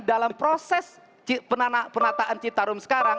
dalam proses penataan citarum sekarang